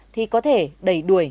thì có thể đẩy đuổi